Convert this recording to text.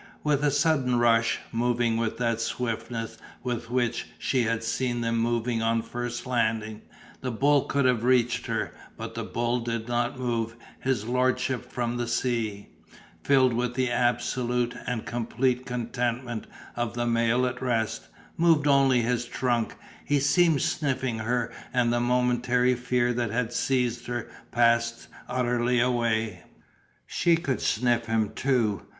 With a sudden rush, moving with that swiftness with which she had seen them moving on first landing, the bull could have reached her, but the bull did not move, his lordship from the sea, filled with the absolute and complete contentment of the male at rest, moved only his trunk, he seemed sniffing her and the momentary fear that had seized her passed utterly away. She could sniff him too.